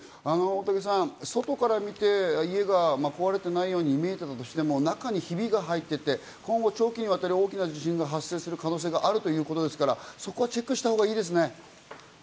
大竹さん、外から見て家が壊れていないように見えたとしても、中にひびが入っていて今後、長期にわたり大きな地震が発生する可能性があるということですから、そこはチェックしたほうがいいですね。